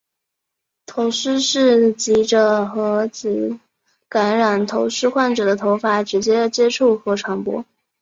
头虱是藉着和已感染头虱患者的头发直接接触而传播。